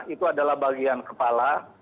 itu adalah bagian kepala